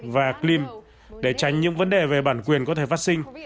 và clim để tránh những vấn đề về bản quyền có thể phát sinh